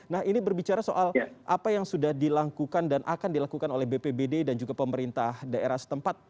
nah ini berbicara soal apa yang sudah dilakukan dan akan dilakukan oleh bpbd dan juga pemerintah daerah setempat